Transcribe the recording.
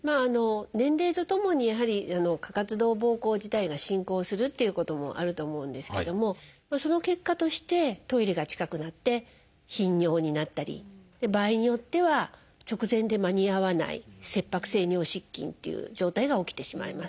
年齢とともにやはり過活動ぼうこう自体が進行するっていうこともあると思うんですけどもその結果としてトイレが近くなって頻尿になったり場合によっては直前で間に合わない「切迫性尿失禁」っていう状態が起きてしまいます。